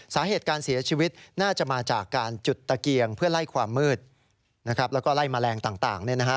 สาเหตุการเสียชีวิตน่าจะมาจากการจุดตะเกียงเพื่อไล่ความมืดแล้วก็ไล่แมลงต่าง